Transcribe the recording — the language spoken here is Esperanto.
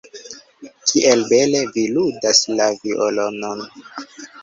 Kiel bele vi ludas la violonon!